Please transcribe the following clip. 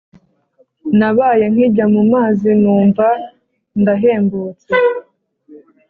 nabaye nkijya mu mazi numva ndahembutse